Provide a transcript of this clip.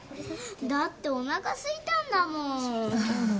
だっておなかすいたんだもん。